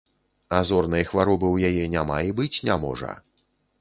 А зорнай хваробы ў яе няма і быць не можа.